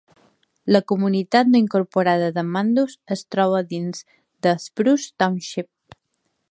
La comunitat no incorporada de Mandus es troba dins de Spruce Township.